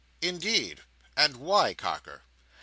"Indeed! And why, Carker?"